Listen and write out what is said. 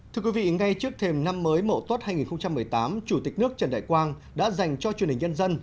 thưa quý vị ngay trước thêm năm mới mẫu tuất hai nghìn một mươi tám chủ tịch nước trần đại quang đã dành cho truyền hình dân dân